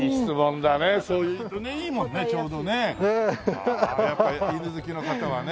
やっぱり犬好きの方はね。